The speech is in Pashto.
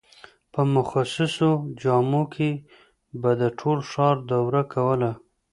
په مخصوصو جامو کې به د ټول ښار دوره کوله.